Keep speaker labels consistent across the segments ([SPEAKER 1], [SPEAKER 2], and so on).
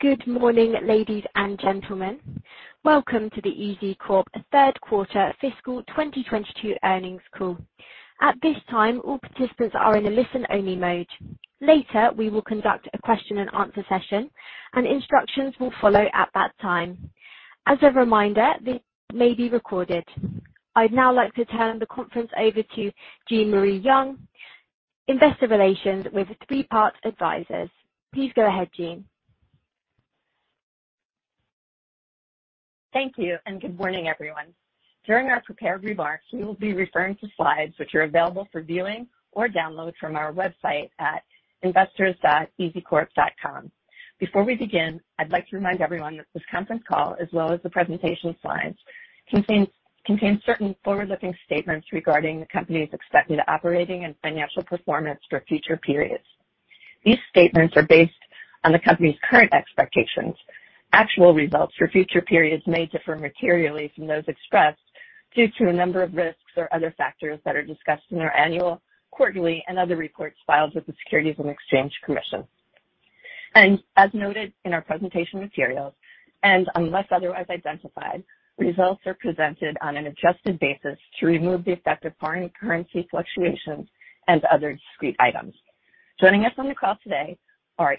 [SPEAKER 1] Good morning, ladies and gentlemen. Welcome to the EZCORP third quarter fiscal 2022 earnings call. At this time, all participants are in a listen-only mode. Later, we will conduct a question and answer session and instructions will follow at that time. As a reminder, this may be recorded. I'd now like to turn the conference over to Jean Marie Young, Investor Relations with Three Part Advisors. Please go ahead, Jean.
[SPEAKER 2] Thank you and good morning, everyone. During our prepared remarks, we will be referring to slides which are available for viewing or download from our website at investors.ezcorp.com. Before we begin, I'd like to remind everyone that this conference call, as well as the presentation slides, contain certain forward-looking statements regarding the company's expected operating and financial performance for future periods. These statements are based on the company's current expectations. Actual results for future periods may differ materially from those expressed due to a number of risks or other factors that are discussed in our annual, quarterly, and other reports filed with the Securities and Exchange Commission. As noted in our presentation materials, and unless otherwise identified, results are presented on an adjusted basis to remove the effect of foreign currency fluctuations and other discrete items. Joining us on the call today are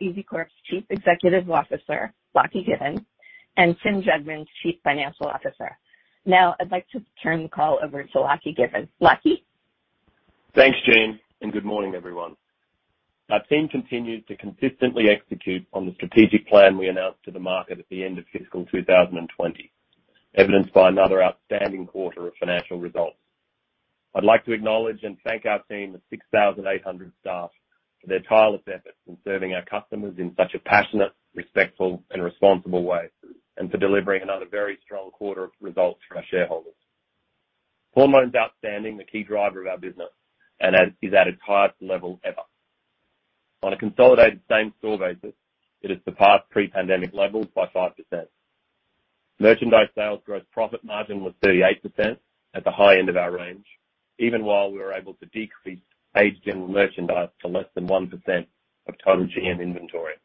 [SPEAKER 2] EZCORP's Chief Executive Officer, Lachlan Given, and Tim Jugmans, Chief Financial Officer. Now I'd like to turn the call over to Lachlan Given. Lachie.
[SPEAKER 3] Thanks, Jean, and good morning, everyone. Our team continues to consistently execute on the strategic plan we announced to the market at the end of fiscal 2020, evidenced by another outstanding quarter of financial results. I'd like to acknowledge and thank our team of 6,800 staff for their tireless efforts in serving our customers in such a passionate, respectful, and responsible way, and for delivering another very strong quarter of results for our shareholders. Pawn loans outstanding, the key driver of our business, PLOs is at its highest level ever. On a consolidated same store basis, it has surpassed pre-pandemic levels by 5%. Merchandise sales growth, profit margin was 38% at the high end of our range, even while we were able to decrease aged general merchandise to less than 1% of total GM inventory.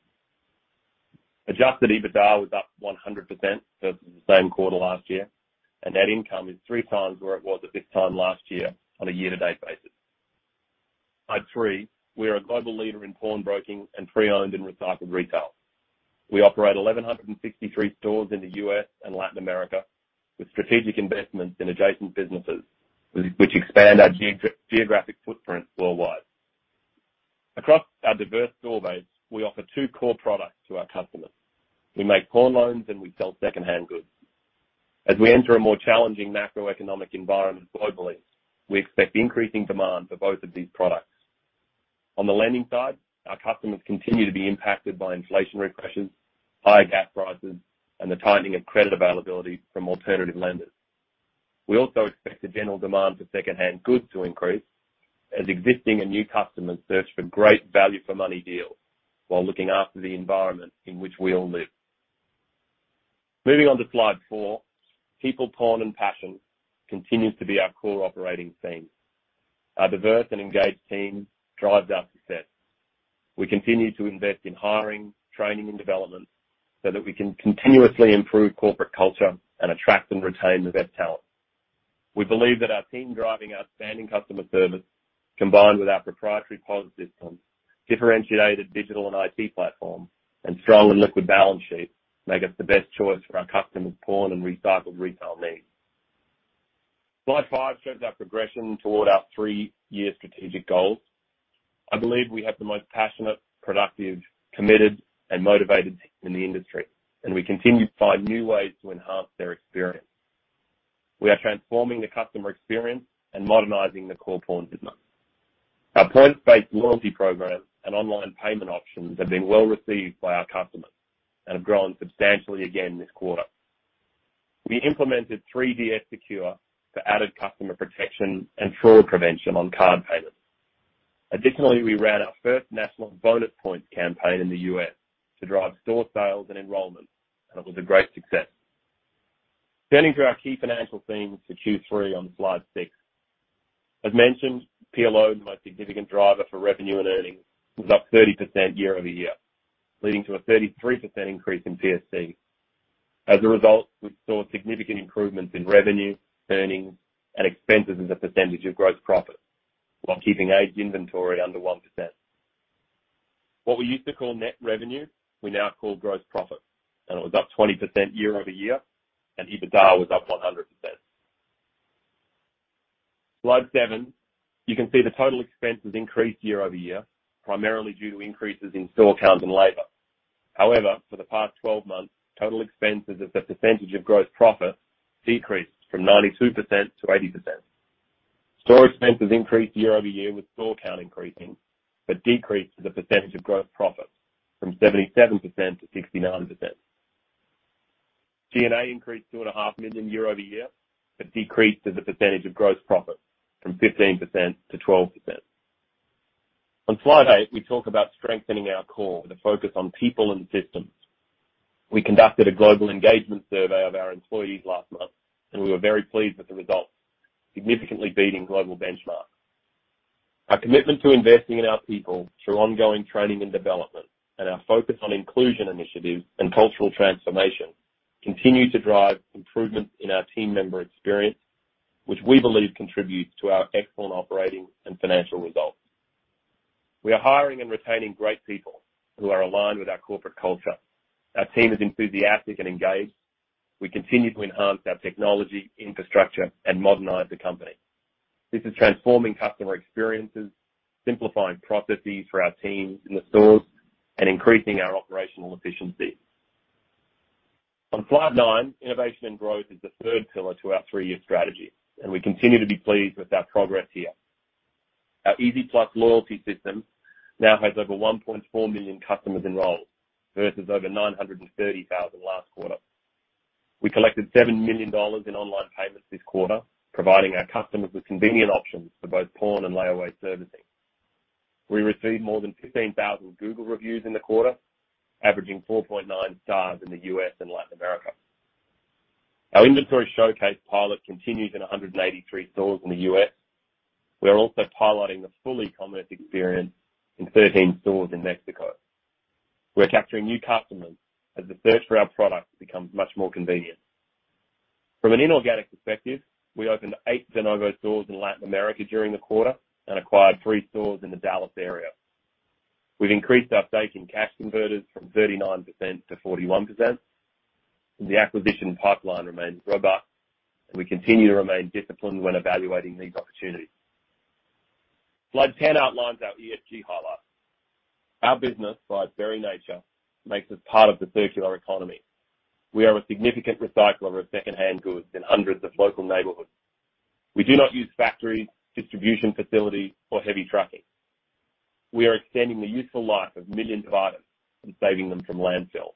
[SPEAKER 3] Adjusted EBITDA was up 100% versus the same quarter last year, and net income is three times where it was at this time last year on a year-to-date basis. Slide three. We are a global leader in pawn broking and pre-owned and recycled retail. We operate 1,163 stores in the U.S. and Latin America, with strategic investments in adjacent businesses which expand our geographic footprint worldwide. Across our diverse store base, we offer two core products to our customers. We make pawn loans and we sell second-hand goods. As we enter a more challenging macroeconomic environment globally, we expect increasing demand for both of these products. On the lending side, our customers continue to be impacted by inflationary pressures, higher gas prices, and the tightening of credit availability from alternative lenders. We also expect the general demand for second-hand goods to increase as existing and new customers search for great value for money deals while looking after the environment in which we all live. Moving on to slide four. People, pawn, and passion continues to be our core operating theme. Our diverse and engaged team drives our success. We continue to invest in hiring, training, and development so that we can continuously improve corporate culture and attract and retain the best talent. We believe that our team driving outstanding customer service, combined with our proprietary POS systems, differentiated Digital and IT platform, and strong and liquid balance sheet, make us the best choice for our customers' pawn and recycled retail needs. Slide five shows our progression toward our three-year strategic goals. I believe we have the most passionate, productive, committed and motivated team in the industry, and we continue to find new ways to enhance their experience. We are transforming the customer experience and modernizing the core pawn business. Our points-based loyalty programs and online payment options have been well received by our customers and have grown substantially again this quarter. We implemented 3D Secure for added customer protection and fraud prevention on card payments. Additionally, we ran our first national bonus points campaign in the U.S. to drive store sales and enrollment, and it was a great success. Turning to our key financial themes for Q3 on slide six. As mentioned, PLO, the most significant driver for revenue and earnings, was up 30% year-over-year, leading to a 33% increase in PSC. As a result, we saw significant improvements in revenue, earnings, and expenses as a percentage of gross profit while keeping aged inventory under 1%. What we used to call net revenue, we now call gross profit, and it was up 20% year-over-year, and EBITDA was up 100%. Slide seven. You can see the total expenses increased year-over-year, primarily due to increases in store count and labor. However, for the past 12 months, total expenses as a percentage of gross profit decreased from 92% to 80%. Store expenses increased year-over-year with store count increasing, but decreased as a percentage of gross profit from 77% to 69%. G&A increased $2.5 million year-over-year, but decreased as a percentage of gross profit from 15% to 12%. On slide eight, we talk about strengthening our core with a focus on people and systems. We conducted a global engagement survey of our employees last month, and we were very pleased with the results, significantly beating global benchmarks. Our commitment to investing in our people through ongoing training and development and our focus on inclusion initiatives and cultural transformation continue to drive improvements in our team member experience, which we believe contributes to our excellent operating and financial results. We are hiring and retaining great people who are aligned with our corporate culture. Our team is enthusiastic and engaged. We continue to enhance our technology infrastructure and modernize the company. This is transforming customer experiences, simplifying processes for our teams in the stores, and increasing our operational efficiency. On slide nine, innovation and growth is the third pillar to our three-year strategy, and we continue to be pleased with our progress here. Our EZ+ loyalty system now has over 1.4 million customers enrolled, versus over 930,000 customers last quarter. We collected $7 million in online payments this quarter, providing our customers with convenient options for both pawn and layaway servicing. We received more than 15,000 Google reviews in the quarter, averaging 4.9 stars in the U.S. and Latin America. Our Inventory Showcase pilot continues in 183 stores in the U.S. We are also piloting the full e-commerce experience in 13 stores in Mexico. We're capturing new customers as the search for our products becomes much more convenient. From an inorganic perspective, we opened eight de novo stores in Latin America during the quarter and acquired three stores in the Dallas area. We've increased our stake in Cash Converters from 39% to 41%. The acquisition pipeline remains robust, and we continue to remain disciplined when evaluating these opportunities. Slide 10 outlines our ESG highlights. Our business, by its very nature, makes us part of the circular economy. We are a significant recycler of secondhand goods in hundreds of local neighborhoods. We do not use factories, distribution facilities, or heavy trucking. We are extending the useful life of millions of items and saving them from landfills.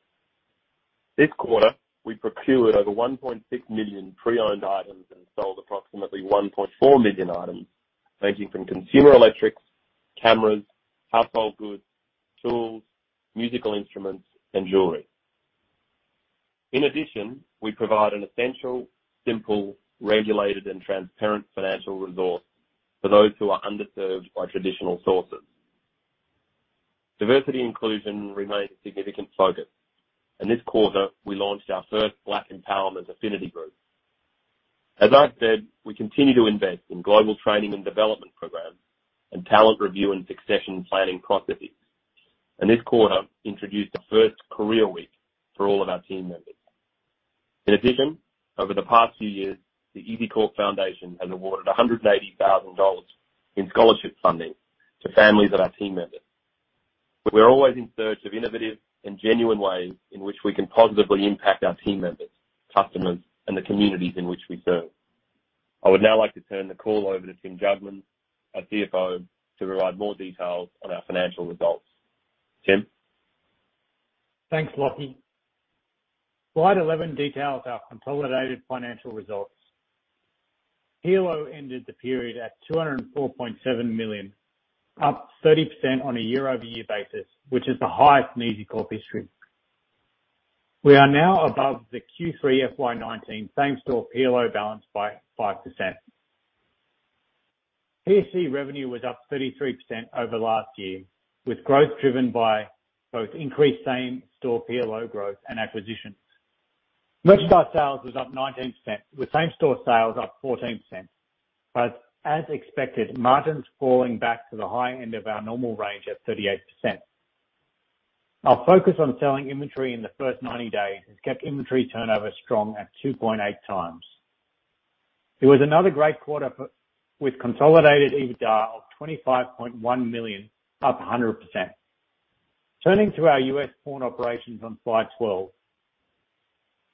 [SPEAKER 3] This quarter, we procured over 1.6 million pre-owned items and sold approximately 1.4 million items, ranging from consumer electrics, cameras, household goods, tools, musical instruments, and jewelry. In addition, we provide an essential, simple, regulated, and transparent financial resource for those who are underserved by traditional sources. Diversity inclusion remains a significant focus. In this quarter, we launched our first black empowerment affinity group. As I've said, we continue to invest in global training and development programs and talent review and succession planning processes. This quarter introduced the first career week for all of our team members. In addition, over the past few years, the EZCORP Foundation has awarded $180,000 in scholarship funding to families of our team members. We're always in search of innovative and genuine ways in which we can positively impact our team members, customers, and the communities in which we serve. I would now like to turn the call over to Tim Jugmans, our CFO, to provide more details on our financial results. Tim?
[SPEAKER 4] Thanks, Lachlan. Slide 11 details our consolidated financial results. PLO ended the period at $204.7 million, up 30% on a year-over-year basis, which is the highest in EZCORP history. We are now above the Q3 FY 2019 same-store PLO balance by 5%. PSC revenue was up 33% over last year, with growth driven by both increased same-store PLO growth and acquisitions. Merchandise sales was up 19%, with same-store sales up 14%. As expected, margins falling back to the high end of our normal range at 38%. Our focus on selling inventory in the first 90 days has kept inventory turnover strong at 2.8x. It was another great quarter with consolidated EBITDA of $25.1 million, up 100%. Turning to our U.S. pawn operations on slide 12.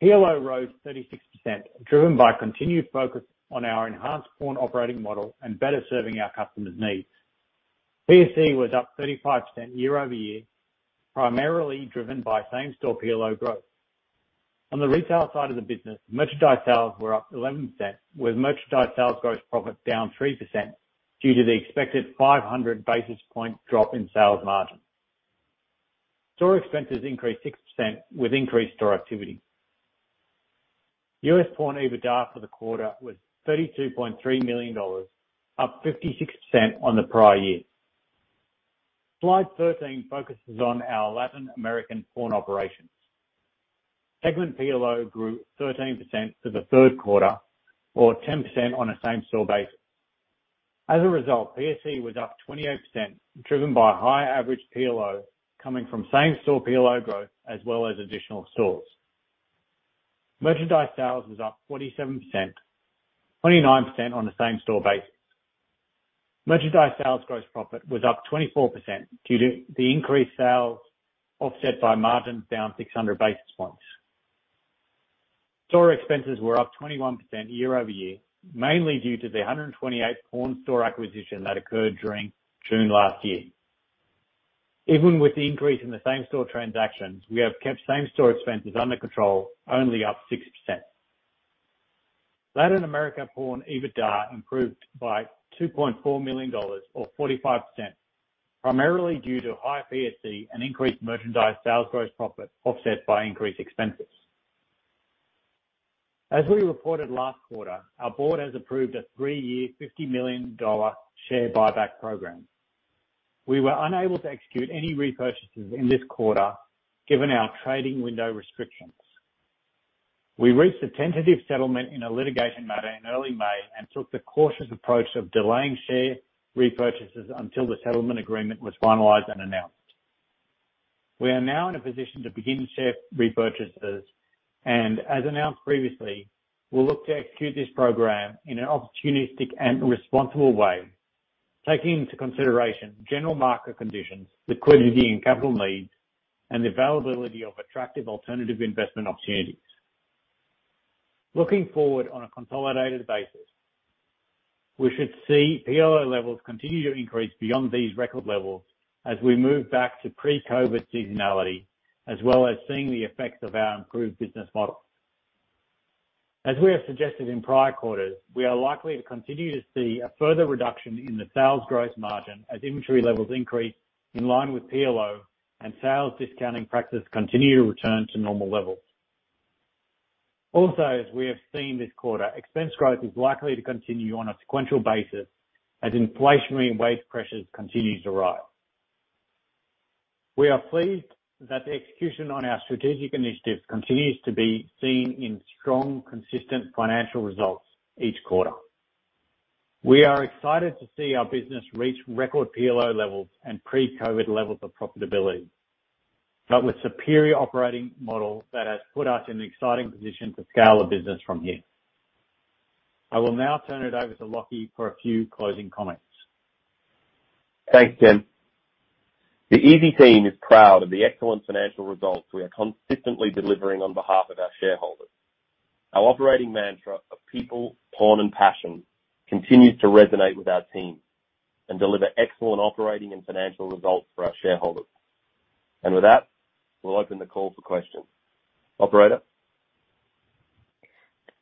[SPEAKER 4] PLO rose 36%, driven by continued focus on our enhanced pawn operating model and better serving our customers' needs. PSC was up 35% year-over-year, primarily driven by same-store PLO growth. On the retail side of the business, merchandise sales were up 11%, with merchandise sales gross profit down 3% due to the expected 500 basis point drop in sales margin. Store expenses increased 6% with increased store activity. U.S.-pawn EBITDA for the quarter was $32.3 million, up 56% on the prior year. Slide 13 focuses on our Latin American pawn operations. Segment PLO grew 13% for the third quarter or 10% on a same-store basis. As a result, PSC was up 28%, driven by higher average PLO coming from same-store PLO growth as well as additional stores. Merchandise sales was up 47%, 29% on a same-store basis. Merchandise sales gross profit was up 24% due to the increased sales offset by margin down 600 basis points. Store expenses were up 21% year-over-year, mainly due to the 128 pawn store acquisition that occurred during June last year. Even with the increase in the same-store transactions, we have kept same-store expenses under control, only up 6%. Latin America pawn EBITDA improved by $2.4 million or 45%, primarily due to higher PSC and increased merchandise sales gross profit offset by increased expenses. Our board has approved a three-year $50 million share buyback program. We were unable to execute any repurchases in this quarter given our trading window restrictions. We reached a tentative settlement in a litigation matter in early May and took the cautious approach of delaying share repurchases until the settlement agreement was finalized and announced. We are now in a position to begin share repurchases, and as announced previously, we'll look to execute this program in an opportunistic and responsible way, taking into consideration general market conditions, liquidity and capital needs, and the availability of attractive alternative investment opportunities. Looking forward on a consolidated basis, we should see PLO levels continue to increase beyond these record levels as we move back to pre-COVID seasonality, as well as seeing the effects of our improved business model. As we have suggested in prior quarters, we are likely to continue to see a further reduction in the sales growth margin as inventory levels increase in line with PLO and sales discounting practices continue to return to normal levels. Also, as we have seen this quarter, expense growth is likely to continue on a sequential basis as inflationary wage pressures continues to rise. We are pleased that the execution on our strategic initiatives continues to be seen in strong, consistent financial results each quarter. We are excited to see our business reach record PLO levels and pre-COVID levels of profitability, but with superior operating model that has put us in an exciting position to scale the business from here. I will now turn it over to Lachie for a few closing comments.
[SPEAKER 3] Thanks, Tim. The EZ team is proud of the excellent financial results we are consistently delivering on behalf of our shareholders. Our operating mantra of people, pawn, and passion continues to resonate with our team and deliver excellent operating and financial results for our shareholders. With that, we'll open the call for questions. Operator?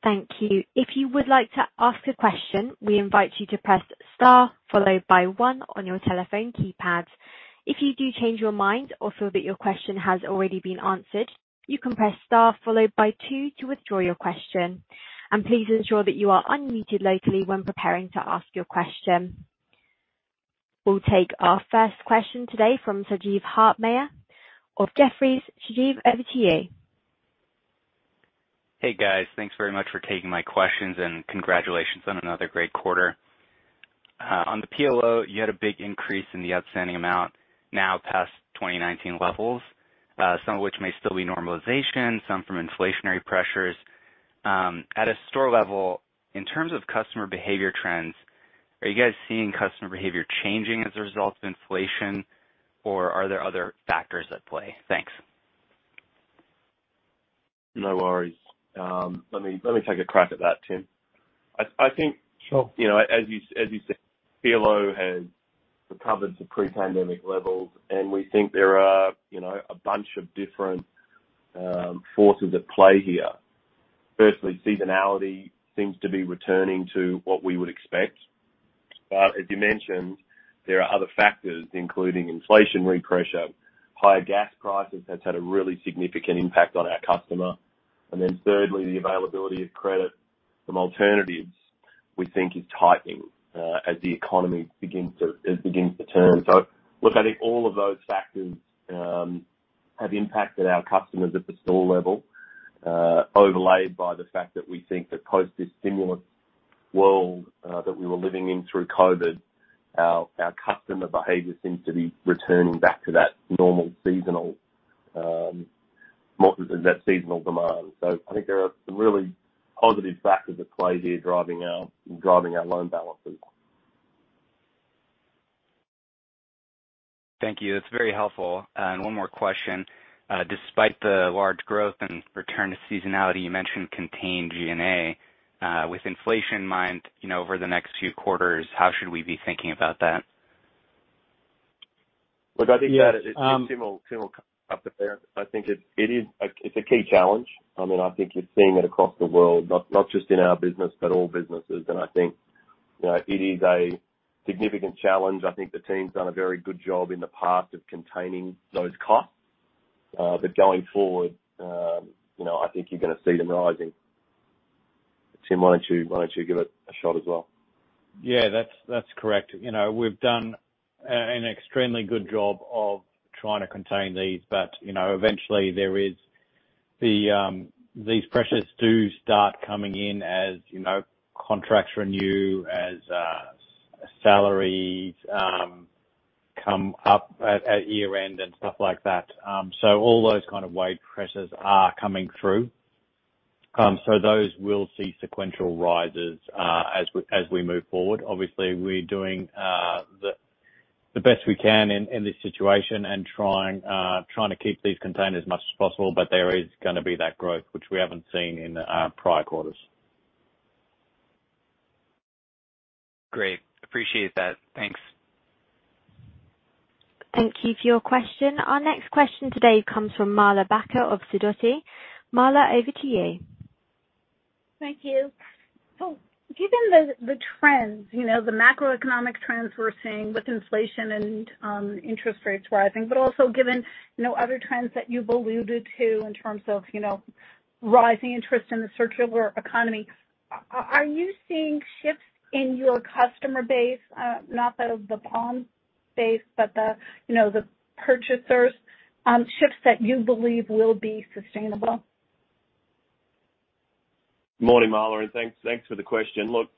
[SPEAKER 1] Thank you. If you would like to ask a question, we invite you to press star followed by one on your telephone keypad. If you do change your mind or feel that your question has already been answered, you can press star followed by two to withdraw your question. Please ensure that you are unmuted locally when preparing to ask your question. We'll take our first question today from Sagiv Hartmayer of Jefferies. Sagiv, over to you.
[SPEAKER 5] Hey, guys. Thanks very much for taking my questions, and congratulations on another great quarter. On the PLO, you had a big increase in the outstanding amount now past 2019 levels, some of which may still be normalization, some from inflationary pressures. At a store level, in terms of customer behavior trends, are you guys seeing customer behavior changing as a result of inflation, or are there other factors at play? Thanks.
[SPEAKER 3] No worries. Let me take a crack at that, Tim. I think.
[SPEAKER 4] Sure.
[SPEAKER 3] You know, as you said, PLO has recovered to pre-pandemic levels, and we think there are, you know, a bunch of different forces at play here. Firstly, seasonality seems to be returning to what we would expect. As you mentioned, there are other factors, including inflationary pressure, higher gas prices, that's had a really significant impact on our customer. Thirdly, the availability of credit from alternatives, we think is tightening, as the economy begins to turn. Look, I think all of those factors have impacted our customers at the store level, overlaid by the fact that we think that post this stimulus world, that we were living in through COVID, our customer behavior seems to be returning back to that normal seasonal, more to that seasonal demand. I think there are some really positive factors at play here driving our loan balances.
[SPEAKER 5] Thank you. That's very helpful. One more question. Despite the large growth and return to seasonality, you mentioned contained G&A. With inflation in mind, you know, over the next few quarters, how should we be thinking about that?
[SPEAKER 3] Look, I think that.
[SPEAKER 4] Yes.
[SPEAKER 3] Tim will cover there. I think it is a key challenge. I mean, I think you're seeing it across the world, not just in our business, but all businesses. I think, you know, it is a significant challenge. I think the team's done a very good job in the past of containing those costs. But going forward, you know, I think you're gonna see them rising. Tim, why don't you give it a shot as well?
[SPEAKER 4] Yeah, that's correct. You know, we've done an extremely good job of trying to contain these, but you know, eventually these pressures do start coming in as you know, contracts renew, as salaries come up at year-end and stuff like that. All those kind of wage pressures are coming through. Those will see sequential rises as we move forward. Obviously, we're doing the best we can in this situation and trying to keep these contained as much as possible. There is gonna be that growth, which we haven't seen in prior quarters.
[SPEAKER 5] Great. Appreciate that. Thanks.
[SPEAKER 1] Thank you for your question. Our next question today comes from Marla Backer of Sidoti. Marla, over to you.
[SPEAKER 6] Thank you. Given the trends, you know, the macroeconomic trends we're seeing with inflation and interest rates rising, but also given, you know, other trends that you've alluded to in terms of, you know, rising interest in the circular economy, are you seeing shifts in your customer base? Not the pawn base, but you know, the purchasers, shifts that you believe will be sustainable.
[SPEAKER 3] Morning, Marla Backer, and thanks for the question. Look,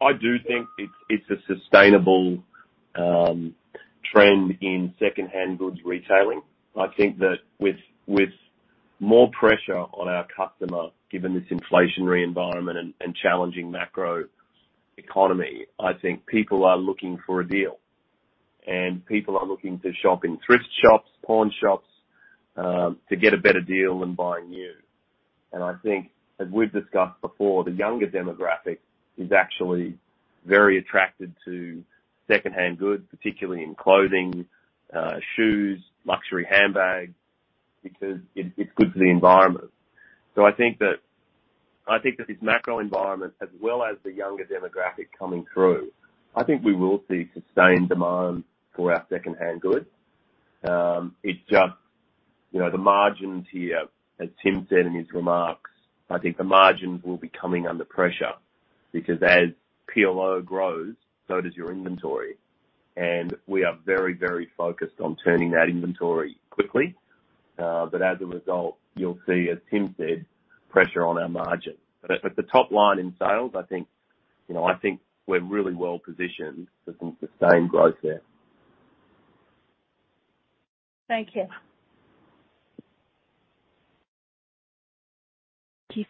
[SPEAKER 3] I do think it's a sustainable trend in second-hand goods retailing. I think that with more pressure on our customer, given this inflationary environment and challenging macro economy, I think people are looking for a deal. People are looking to shop in thrift shops, pawn shops, to get a better deal than buying new. I think as we've discussed before, the younger demographic is actually very attracted to second-hand goods, particularly in clothing, shoes, luxury handbags, because it's good for the environment. I think that this macro environment as well as the younger demographic coming through, I think we will see sustained demand for our second-hand goods. It just, you know, the margins here, as Tim said in his remarks, I think the margins will be coming under pressure because as PLO grows, so does your inventory. We are very, very focused on turning that inventory quickly. As a result, you'll see, as Tim said, pressure on our margins. At the top line in sales, I think, you know, I think we're really well positioned to think sustained growth there.
[SPEAKER 6] Thank you.
[SPEAKER 1] Thank you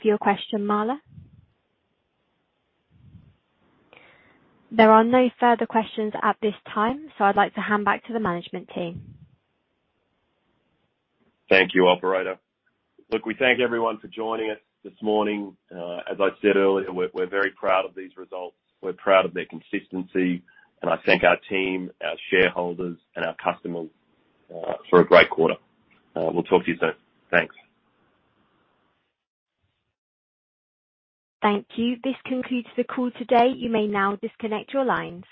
[SPEAKER 1] for your question, Marla. There are no further questions at this time, so I'd like to hand back to the management team.
[SPEAKER 3] Thank you, operator. Look, we thank everyone for joining us this morning. As I said earlier, we're very proud of these results. We're proud of their consistency. I thank our team, our shareholders, and our customers for a great quarter. We'll talk to you soon. Thanks.
[SPEAKER 1] Thank you. This concludes the call today. You may now disconnect your lines.